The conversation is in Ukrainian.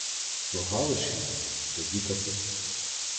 Прогавиш її — тоді капут!